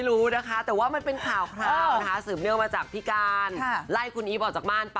ลืมรู้ว่ามันเป็นข่าวสื่อมเรื่องมาจากพี่กิ้น